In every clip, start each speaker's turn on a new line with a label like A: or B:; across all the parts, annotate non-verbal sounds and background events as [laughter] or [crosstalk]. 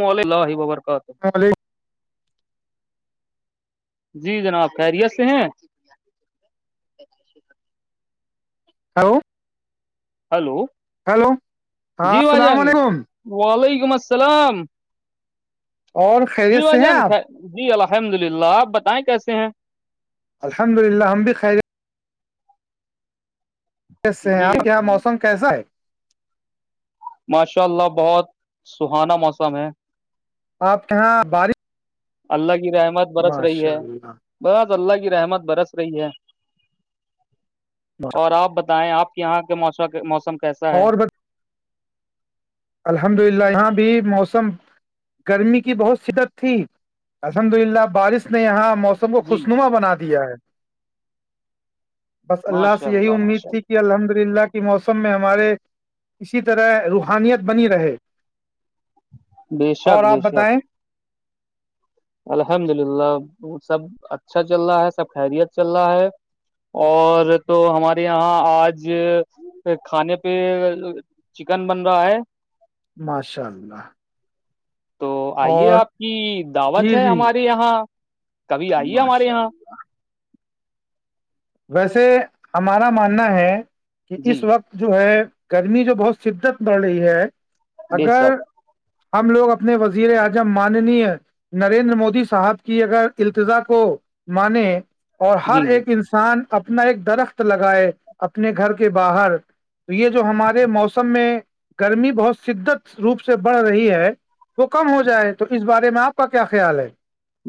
A: مول ل ہی بابر کرتے ہے
B: [inaudible]
A: جی جناب خیریت سے ہیں
B: ہیلو
A: ہلو
B: ہاں
A: جی
B: السلام
A: بھجان
B: علیکم
A: وعلیکم السلام
B: اور
A: جی
B: خیریت
A: بھ
B: سے ہیں
A: جان
B: آپ
A: جی الحمد للہ آپ بتائیں کیسے ہیں
B: الحمد للہ ہم بھی خیر کیس سے ہیں
A: جی
B: آپ کے یہاں موسم کیسا ہے
A: ماشاء اللہ بہت سہانا موسم ہے
B: آپ کےاں بارش
A: اللہ کی رحمت برس رہی
B: ماشاء
A: ہے
B: اللہ
A: بس اللہ کی رحمت برس رہی ہے
B: ماشاء،
A: اور آپ بتائیں آپ یہاں کے مو موسم کیسا ہے
B: اور بس الحمد للہ یہاں بھی موسم گرمی کی بہت شدت تھی الحمد للہ بارش نے یہاں موسم کو
A: جی
B: خوشنما بنا دیا ہے بس اللہ
A: ماشاء
B: سے یہی امید
A: ماشاء
B: تھی
A: اللہ
B: کہ الحمد للہ کے موسم میں ہمارے اسی طرح روحانیت بنی رہے
A: بے شک
B: اور
A: بے
B: آپ
A: شک
B: بتائیں
A: الحمد للہ سب اچھا چل رہا ہے سب خیریت چل رہا ہے اور تو ہمارے یہاں آج کھانے پہ چکن بن رہا ہے
B: ماشاء اللہ
A: تو آئیے
B: اور
A: آپ کی دعوت
B: جی
A: ہے
B: جی
A: ہمارے یہاں کبھی آئیے
B: ماشاء
A: ہمارے یہاں
B: ویسے ہمارا ماننا ہے کہ
A: جی
B: اس وقت جو ہے گرمی جو بہت شدت بڑھ رہی ہے
A: بے
B: اگر
A: شک
B: ہم لوگ اپنے وزیر اعظم ماننی ہے نریندر مودی صاحب کی اگر التضا کو مانے اور ہر
A: جی جی
B: ایک انسان کسان اپنا ایک درخت لگائے اپنے گھر کے باہر تو یہ جو ہمارے موسم میں گرمی بہت شدت روپ سے بڑھ رہی ہے وہ کم ہو جائے تو اس بارے میں آپ کا کیا خیال ہے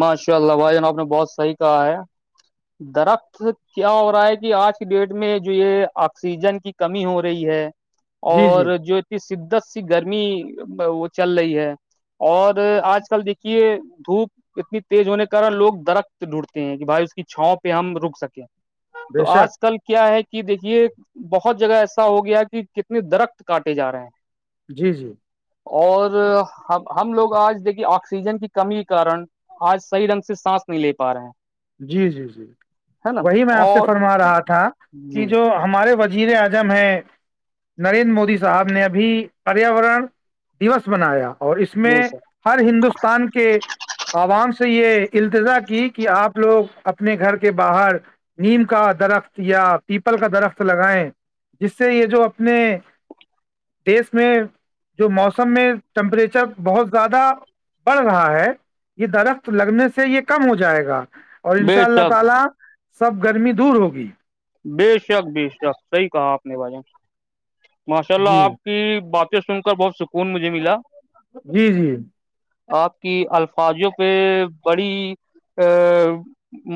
A: ماشاء اللہ بھائی جان آپ نے بہت صحیح کہا ہے درخت کیا ہو رہا ہے کہ آج کی ڈیٹ میں جو یہ آکسیجن کی کمی ہو رہی ہے
B: جی جی
A: اور جو کی شدت سی گرمی وہ چل رہی ہے اور آج کل دیکھیے دھوپ اتنی تیز ہونے کاارن لوگ درخت ڈھونڈتے ہیں کہ بھائی اس کی چھاؤں پہ ہم رک سکیں
B: بے
A: تو
B: شک
A: آج کل کیا ہے کہ دیکھیے بہت جگہ ایسا ہو گیا کہ کتنے درخت کاٹے جا رہے ہیں
B: جی جی
A: اور ہم لوگ آج دیکھیے آکسیجن کی کمی کارن آج صح رنگ سے سانس نہیں لے پا رہے ہیں
B: جی جی جی
A: ہے نا
B: وہی میں آپ سے
A: اور
B: فرما رہا تھا کہ
A: جی
B: جو ہمارے وزیر اعظم ہیں نریندر مودی صاحب نے ابھی پریاورن دوس منایا اور اس میں
A: بے شک
B: ہر ہندوستان کے عوام سے یہ التجا کی کہ آپ وہ اپنے گھر کے باہر نیم کا درخت یا پیپل کا درخت لگائیں جس سے یہ جو اپنے دیش میں جو موسم میں ٹمپریچر بہت زیادہ بڑھ رہا ہے یہ درخت لگنے سے یہ کم ہو جائے گا اور ان
A: بے
B: شاء اللہ
A: شک
B: تعالی سب گرمی دور ہوگی
A: بے شک بے شک صحیح کہا آپ نے بھای جان ماشاء اللہ
B: جی
A: آپ کی باتیں سن کر بہت سکون مجھے ملا
B: جی جی
A: آپ کی الفاظوں پہ بڑی آ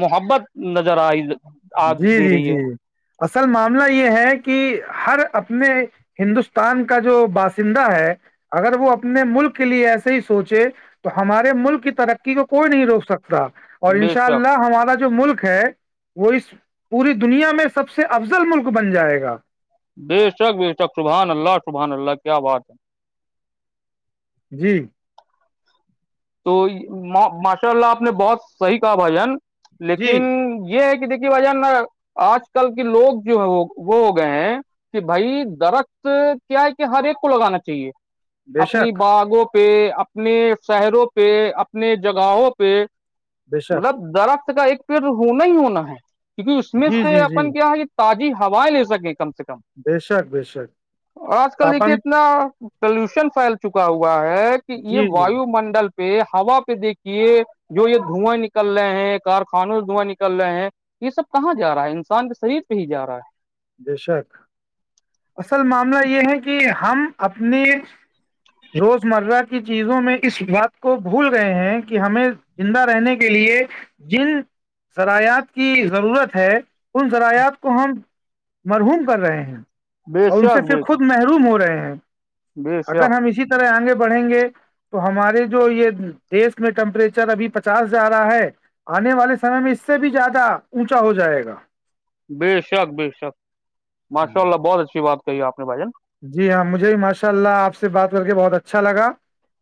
A: محبت نظر آئی آ
B: جی
A: دے
B: جی
A: رہی ہے
B: جی اصل معاملہ یہ ہے کہ ہر اپنے ہندوستان کا جو باشندہ ہے اگر وہ اپنے ملک کے لیے ایسے ہی سوچے تو ہمارے ملک کی ترقی کو کوئی نہیں روک سکتا اور ان
A: بے
B: شاء
A: شک
B: اللہ ہمارا جو ملک ہے وہ اس پوری دنیا میں سب سے افضل ملک بن جائے گا
A: بے شک بےش شک شبحان اللہ شبحان اللہ کیا بات ہے
B: جی
A: تو ماشاء اللہ آپ نے بہت صحیح کہا بھائی جان
B: جی
A: لیکن یہ ہے کہ دیکھیے وجہ نہ آج کل کے لوگ جو ہے وہ ہو گئے ہیں کہ بھائی درخت کیا ہے کہ ہر ایک کو لگانا چاہیے
B: بے
A: اپنی
B: شک
A: باغوں پہ اپنے شہروں پہ پہ اپنے جگہوں پہ
B: بے شک
A: مطلب درخت کا ایک یہ تو ہونا ہی ہونا ہے کیونکہ اس میں
B: جی
A: سے
B: جی جی
A: اپن کیا ہے کہ تازی ہوائیں لے سکیں کم سے کم
B: بے شک بے شک
A: آج کل دیکھے
B: آپن
A: اتنا پلوشن پھیل چکا ہوا ہے کہ یہ
B: جی جی
A: وایو منڈل ہوا پہ دیکھیے جو یہ دھواں نکل رہے ہیں کارخانوں سے دھواں نکل رہے ہیں یہ سب کہاں جا رہا ہے انسان کے شریر پہ ہی جا رہا ہے
B: بے شک اصل معاملہ یہ ہے کہ ہم اپنے روزمرہ کی چیزوں میں اس بات کو بھول گئے ہیں کہ ہمیں زندہ رہنے کے لیے جن ذرایات کی ضرورت ہے ان ذرایات کو ہم مرحوم کر رہے ہیں
A: ہے بے
B: اور ان سے
A: شک
B: پھر
A: بے شک
B: خود محروم ہو رہے ہیں
A: بے
B: اگر
A: شک
B: ہم اسی آگے بڑھیں گے تو ہمارے جو یہ دیش میں ٹیمپریچر ابھی پچاس جا رہا ہے آنے والے سمے میں اس سے بھی زیادہ اونچا ہو جائے گا
A: بے شک بے شک ماشاء اللہ بہت اچھی بات کہی آپ نے بھائی جان
B: جی ہاں مجھے بھی ماشاء اللہ آپ سے بات کر کے بہت اچھا لگا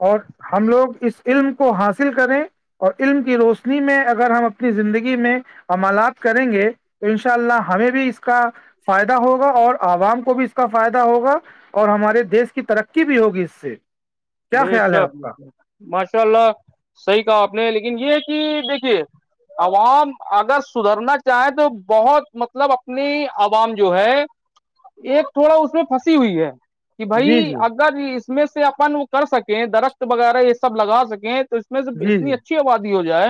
B: اور ہم لوگ اس علم کو حاصل کریں اور علم کی روشنی میں اگر ہم اپنی زندگی میں عملات کریں گے تو ان شاء اللہ ہمیں بھی اس کا فائدہ ہوگا اور عوام کو بھی اس کا فائدہ ہوگا اور ہمارے دیش کی ترقی بھی ہوگی اس سے کیا
A: بے
B: خیال ہے
A: شک
B: آپ
A: بے
B: کا
A: شک ماشاء اللہ صحیح کہا آپ نے لیکن یہ کہ دیکھیے عوام اگر سدھرنا چاہے تو بہت مطلب اپنی عوام جو ہے ایک تھوڑا اس میں پھنسی ہوئی ہے کہ
B: جی
A: بھائی
B: جی
A: اگر اس میں سے اپن وہ کر سکیں درخت وغیرہ یہ سب لگا سکیں اس میں سے
B: جی
A: اتنی
B: جی
A: اچھی آبادی ہو جائے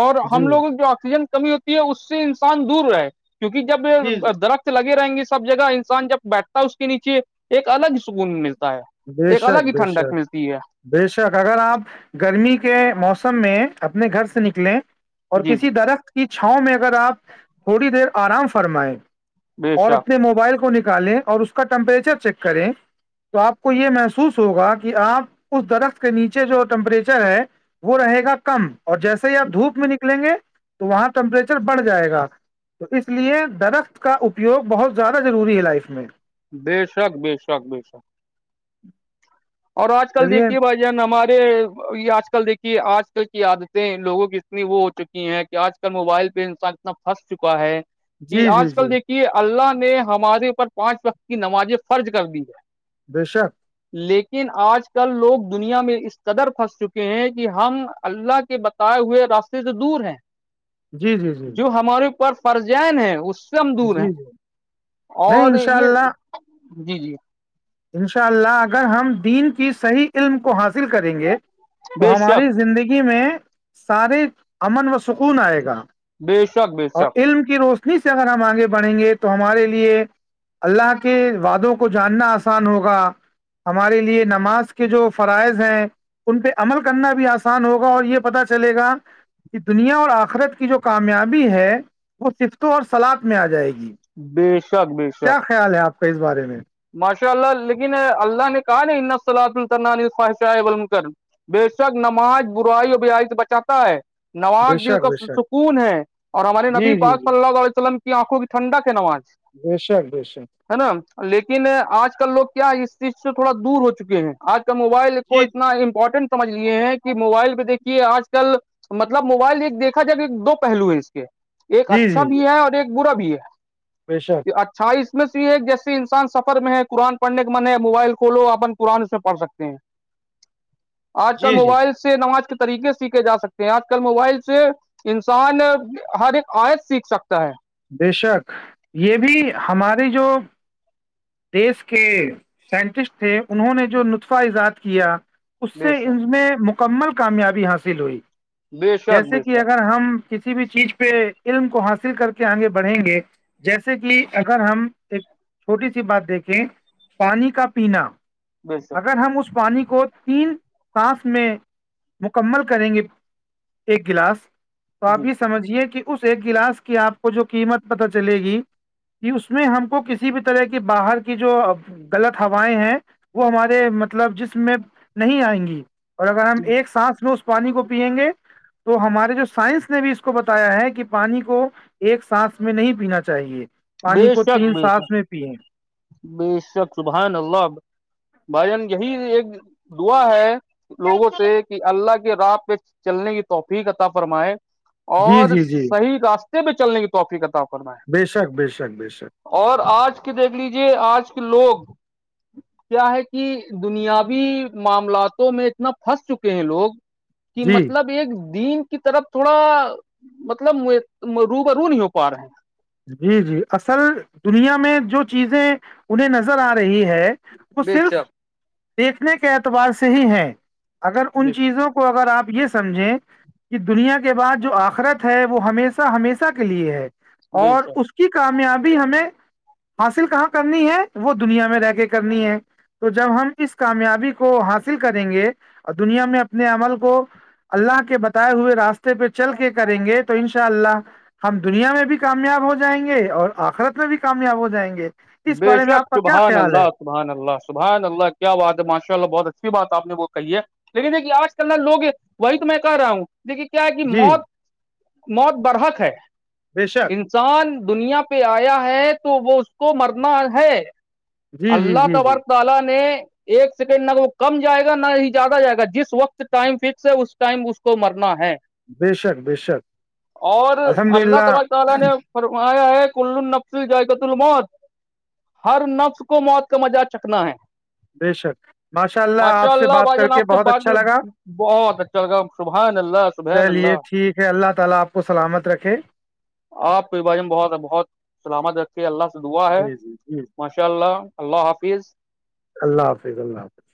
A: اور ہم
B: جی
A: لوگ جو آکسیجن کمی ہوتی ہے اس سے انسان دور رہے کیونکہ جب
B: جی
A: درخت لگے رہیں گی سب جگہ انسان جب بیٹھتا ہے اس کے نیچے ایک الگ ہی سکون ملتا ہے
B: جی بے
A: ایک الگ
B: شک
A: ہی
B: بے شک
A: ٹھنڈک ملتا
B: بے شک اگر آپ گرمی کے موسم میں اپنے گھر سے نکلیں اور
A: جی
B: کسی درخت کی چھاؤں میں اگر آپ تھوڑی دیر آرام فرمائیں
A: بے
B: اور
A: شک
B: اپنے موبائل کو نکالیں اور اس کا ٹمپریچر چیک کریں تو آپ کو یہ محسوس ہوگا کہ آپ اس درخت کے نیچے جو ٹیمپریچر ہے وہ رہے گا کم اور جیسے ہی آپ دھوپ میں نکلیں گے تو وہاں ٹمپریچر بڑھ جائے گا تو اس لیے درخت کا اپیوگ بہت زیادہ ضوری ہے لائف میں
A: بے شک بے شک بے شک
B: [inaudible]
A: اور آج کل
B: چلیے
A: دیکھیے بھائی ہمارے یہ آج کل دیکھیے آج کل کی عادتیں لوگوں کی اتنی وہ ہو چکی ہیں کہ آج کل موبائل پہ انسان اتنا پھنس چکا ہے کہ
B: جی جی
A: آج کل
B: جی
A: دیکھیے اللہ نے ہمارے اوپر پانچ وقت کی نمازیں فرض کر دی ہے
B: بشک
A: لیکن آج کل لوگ دنیا میں اس قدر پھنس چکے ہیں کہ ہم اللہ کے بد بتائے ہوئے راستے سے دور ہیں
B: جی جی جی
A: جو ہمارے اوپر فرض عین ہے اس ہم دور ہیں
B: جی جی نہیں
A: اور
B: انشاء
A: یہ جی جی
B: ان شاء اللہ اگر ہم دین کی صحیح علم کو حاصل کریں گے
A: بے
B: تو
A: شک
B: ہماری زندگی میں سارے امن و سکون آئے گا
A: بے شک بے
B: اور
A: شک
B: علم کی روشنی سے اگر ہم آگے بڑھیں گے تو ہمارے لیے اللہ کے وعادوں کو جاننا آس نان ہوگا ہمارے لیے نماز کے جو فرائض ہیں ان پہ عمل کرنا بھی آسان ہوگا اور یہ پتا چلے گا کہ دنیا اور آخرت کی جو کامیابی ہے وہ صفتوں اور سلاد میں آ جائے گی
A: بیشک
B: کیا خیال ہے آپ کے اس بارے میں
A: ماشاء اللہ لیکن اللہ نے کہا نا ان سلاد الترن خواہشائےلم کر بے شک نماز برائی اور بیائی سے بچاتا ہے
B: بے
A: نماز دل
B: شک
A: کا
B: بے شک
A: سکون ہے اور ہمارے نبی
B: جی جی
A: پاک
B: جی
A: صلی اللہ علیہ ولم کی آنکھوں کی ٹھنڈا کی نماز
B: بیشک بیشک
A: ہے نا لیکن آج کل لوگ کیا اس چیز سے تھوڑا دور ہو چکے ہیں آج کل موبائل کو
B: جی
A: اتنا امپورٹنٹ سمجھ لیے ہیں کہ موبائل پہ دیکھیے آج کل مطلب موبائل ایک دیکھا جب ایک دو پہلو ہیں اس کے ایک
B: جی
A: اچھا بھی ہے اور ایک برا بھی ہے
B: بیشک
A: اچھا اس میں بھی یہ ہے ایک جیے انس سفر میں ہے قرآن پڑھ کے من ہے موبائل کھولو اپن قرآن اس میں پڑھ سکتے ہیں آج کل
B: جی جی
A: موبائل سے سے نماز کے طریقے سیکھے جا سکتے ہیں آج کل موبائل سے انسان ہر ایک آیت سیکھ سکتا ہے
B: بے شک یہ بھی ہماری جو دیس کے سائنٹسٹ تھے انہوں نے جو نطفہ اجاد کیا اس
A: بے
B: سے
A: شک
B: ان میں مکمل کامیابی حاصل ہوئی
A: بے شک
B: جیسے
A: بے
B: کہ
A: شک
B: اگر ہم کسی بھی چیز پہ علم کو حاصل کر کے آگے بڑھیں گے جیسے کہ اگر ہم ایک چھوٹی سی بات دیکھیں پانی کا پینا
A: بے شک
B: اگر ہم اس کو پانی کو تین سانس میں مکمل کریں گے ایک گلاس تو آپ
A: جی
B: یہ سمجھیے کہ اس ایک گلاس کی آپ جو قیمت پتا چلے گی کہ اس میں ہم کو کسی بھی طرح کے باہر کی جو غلط ہوائیں ہیں وہ ہمارے مطلب جسم میں نہیں آئیں گی اور اگر ہم ایک سانس میں پانی کو پئیں گے تو ہمارے جو سائنس نے بھی اس کو بتایا ہے کہ پانی کو ایک سانس میں نہیں پینا چاہیے پانی
A: بے
B: کو
A: شک
B: تین
A: بے
B: سانس
A: شک
B: میں پییں
A: بے شک سبحان اللہ بھائی جان یہی ایک دعا ہے لوگوں سے اللہ کے راہ پہ چلنے کی توفیق عطا فرمائے
B: جی
A: اور
B: جی جی
A: صحیح راستہ پہ چلنے کی توقی کا تاؤ کرنا ہے
B: ب شاک ب شاک بشک
A: اور آج کے دیکھ لیجے آج کے لوگ کیا ہے کہ دنیاوی معاملاتوں میں اتنا پھنس چکے ہیں لوگ کہ
B: جی
A: مطلب ایک دین کی طرف تھوڑا مطلب رو کا رو نہیں ہو پا رہے ہیں
B: جی جی اصل دنیا میں جو چیزیں انہیں نظر آ رہی ہے وہ
A: بے
B: صرف
A: شک
B: دیکھنے کے اعتبار سے ہی ہے اگر ان چیزوں کو کو اگر آپ یہ سمجھیں کہ دنیا کے بعد جو آخرت ہے وہ ہمیشہ ہمیشہ کے لیے ہے
A: بے
B: اور
A: شک
B: اس کی کامیابی ہمیں حاصل کہاں کرنی ہے وہ دنیا میں رہ کے کرنی ہے تو جب ہم اس کامیابی کو حاصل کریں گے اور دنیا میں اپنے عمل کو اللہ کے بتائے ہوئے راستے پہ چل کے کریں گے تو ان شاء اللہ ہم دنیا میں بھی کامیاب ہو جائیں گے اور آخرت میں بھی کامیاب ہو جائیں گے اس
A: بے
B: بارے میں
A: شک
B: آپ کا کیا
A: شبحان
B: خیال ہے
A: اللہ سبحان اللہ سبحان اللہ کیا بات ہے ماشاء اللہ بہت اچھی باتپ نے وہ کہی ہے لیکن دیکھیے آج کل ن لوگ ہے وہی تو میں کہ رہا ہوں دیکھیے کیا ہے کہ
B: جی
A: موت موت برحک ہے
B: بے شک [unintelligible]
A: انسان دنیا پہ آیا ہے تو وہ اس کو مرنا ہے
B: جی جی
A: اللہ
B: جی جی
A: تبارکعی نے ایک سیکنڈ نہ وہ کم جائے گا نہ ہی زیادہ جائے گا جس وقت ٹائم فکس ہے اس ٹائم اس کو مرنا ہے
B: بے شک بے شک
A: اور
B: الحمد
A: اللہ
B: للہ
A: تب تعالی نے فرمایا ہے کل نفسل جائقت ال موت ہر نفس کو موت کا مزا چکنا ہے
B: بے شک
A: ماشاء
B: آپ سے
A: اللہ
B: بات
A: بھائی
B: کر
A: جان آ
B: کے
A: سے
B: بہت
A: بعد
B: اچھا
A: میں
B: لگا
A: بہت اچھا چل گاؤ صبح ن اللہ صبح نلہ
B: چلیے ٹھیک ہے اللہ تعالی آپ کو سلامت رکھے
A: آپ ب ہم بہت بہت سلامت رکھی اللہ سے دعا ہے
B: جی جی جی
A: ماشاء اللہ اللہ حافظ
B: اللہ حافظ اللہ حافظ